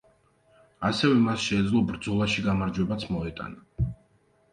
ასევე მას შეეძლო ბრძოლაში გამარჯვებაც მოეტანა.